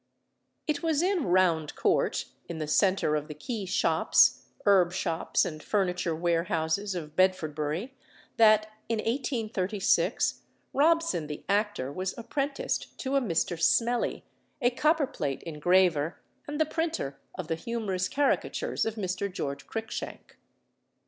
It was in Round Court, in the centre of the key shops, herb shops, and furniture warehouses of Bedfordbury that, in 1836, Robson the actor was apprenticed to a Mr. Smellie, a copperplate engraver, and the printer of the humorous caricatures of Mr. George Cruikshank.